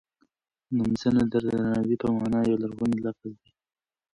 نمځنه د درناوی په مانا یو لرغونی لفظ دی.